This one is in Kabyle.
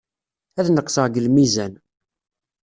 Ad neqseɣ deg lmizan.